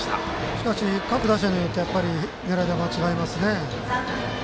しかし、各打者によって狙い方は違いますね。